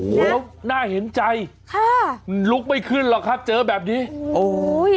โอ้โฮน่าเห็นใจลุกไม่ขึ้นหรอกครับเจอแบบนี้โอ้โฮ